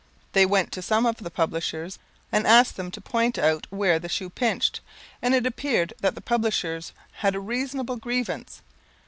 They went to some of the publishers, and asked them to point out where the shoe pinched, and it appeared that the publishers had a reasonable grievance.